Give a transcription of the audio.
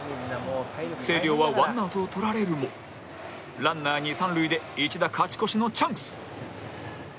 星稜はワンアウトをとられるもランナー二三塁で一打勝ち越しのチャンス